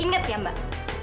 ingat ya mbak